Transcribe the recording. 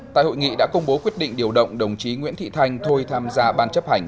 tại hội nghị đã công bố quyết định điều động đồng chí nguyễn thị thanh thôi tham gia ban chấp hành